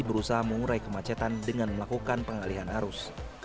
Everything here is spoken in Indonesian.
berusaha mengurai kemacetan dengan melakukan pengalihan arus